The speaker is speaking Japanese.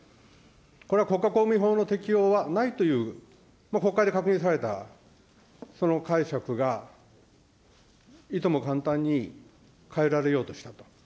これは国家公務員法の適用はないという、国会で確認されたその解釈が、いとも簡単に変えられようとしたと。